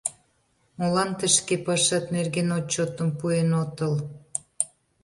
Молан тый шке пашат нерген отчётым пуэн отыл?..